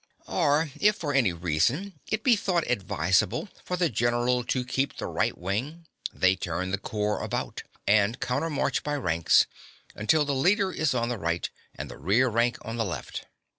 (20) Or if, for any reason, it be thought advisable for the general to keep the right wing, they turn the corps about, (21) and counter march by ranks, until the leader is on the right, and the rear rank on the left.